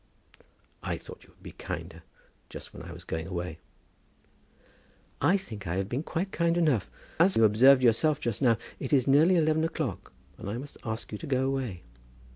"I thought you would be kinder just when I was going away." "I think I have been quite kind enough. As you observed yourself just now, it is nearly eleven o'clock, and I must ask you to go away.